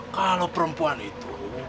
kalau perempuan itu